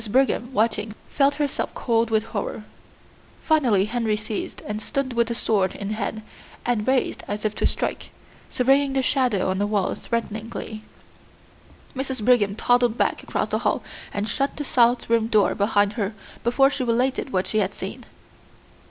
Brigham, watching, felt herself cold with horror. Finally Henry ceased and stood with the sword in hand and raised as if to strike, surveying the shadow on the wall threateningly. Mrs. Brigham toddled back across the hall and shut the south room door behind her before she related what she had seen.